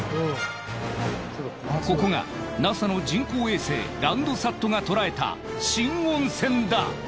ここがＮＡＳＡの人工衛星ランドサットがとらえた新温泉だ！